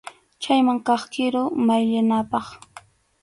Chayman kaq kiru maqllinapaq.